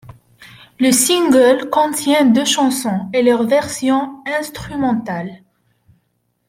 Le single contient deux chansons et leurs versions instrumentales.